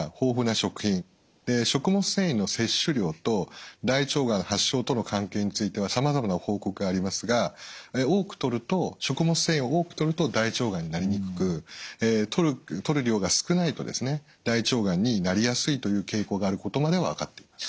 食物繊維の摂取量と大腸がん発症との関係についてはさまざまな報告がありますが食物繊維を多くとると大腸がんになりにくくとる量が少ないと大腸がんになりやすいという傾向があることまでは分かっています。